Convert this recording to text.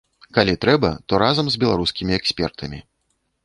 Калі трэба, то разам з беларускімі экспертамі.